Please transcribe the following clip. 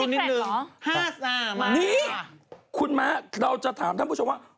ฮาสามารักนี่คุณมะเราจะถามท่านผู้ชมว่า